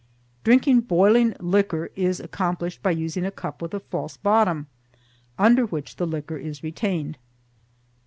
Drinking boiling liquor is accomplished by using a cup with a false bottom, under which the liquor is retained.